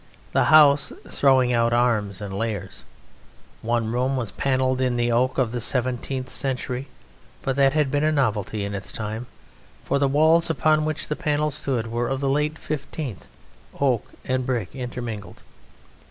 The house throwing out arms and layers. One room was panelled in the oak of the seventeenth century but that had been a novelty in its time, for the walls upon which the panels stood were of the late fifteenth, oak and brick intermingled.